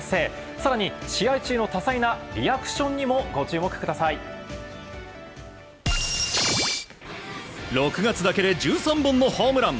更に、試合中の多彩なリアクションにも６月だけで１３本のホームラン。